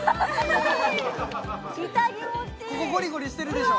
ここゴリゴリしてるでしょ？